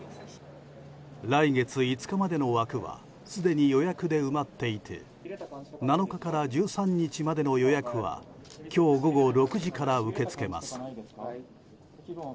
来月５日までの枠はすでに予約で埋まっていて７日から１３日までの予約は今日午後６時から受け付けます。